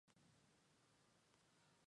Hijo de un procurador, fue educado en la St.